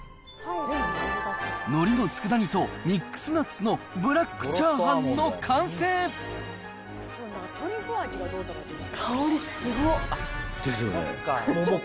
のりのつくだ煮とミックスナッツのブラックチャーハンの完成。ですよね。